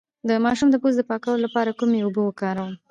د ماشوم د پوزې د پاکوالي لپاره کومې اوبه وکاروم؟